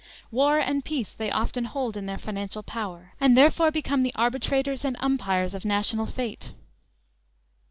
War and peace they often hold in their financial power, and therefore become the arbitrators and umpires of national fate.